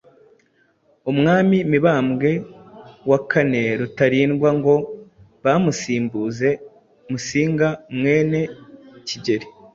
umwami Mibambwe wakane Rutarindwa ngo bamusimbuze Musinga mwene Kigeri